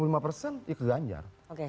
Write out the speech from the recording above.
oke itu menurut pdi perjuangan